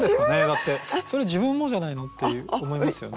だって「それ自分もじゃないの？」って思いますよね。